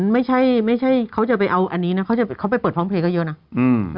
ไม่ใช่ไม่ใช่เขาจะไปเอาอันนี้นะเขาจะเขาไปเปิดพร้อมเพลงก็เยอะนะ